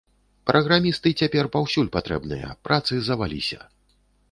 Праграмісты цяпер паўсюль патрэбныя, працы заваліся.